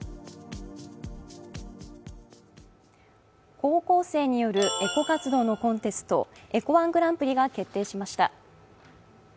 高校生によるエコ活動のコンテスト、エコワングランプリが決定しました。